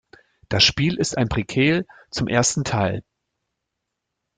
Das Spiel ist ein Prequel zum ersten Teil.